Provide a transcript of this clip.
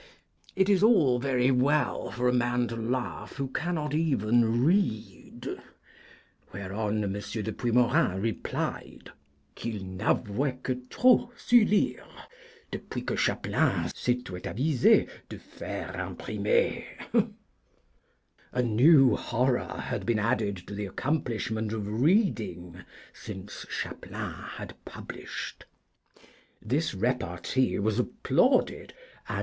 'It is all very well for a man to laugh who cannot even read.' Whereon M. de Puimorin replied: 'Qu'il n'avoit que trop su' lire, depuis que Chapelain s'étoit avisé de faire imprimer.' A new horror had been added to the accomplishment of reading since Chapelain had published. This repartee was applauded, and M.